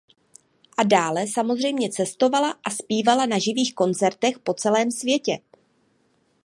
A dále samozřejmě cestovala a zpívala na živých koncertech po celém světě.